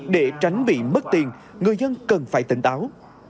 để tránh bị mất tiền người dân cần phải tỉnh táo